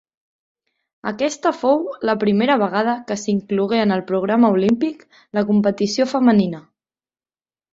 Aquesta fou la primera vegada que s'inclogué en el programa olímpic la competició femenina.